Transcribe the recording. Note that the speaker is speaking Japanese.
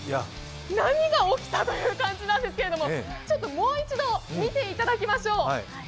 何が起きた？という感じなんですけれども、ちょっともう一度見ていただきましょう。